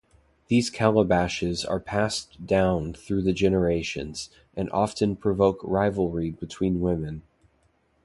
These calabashes are passed down through the generations, and often provoke rivalry between women.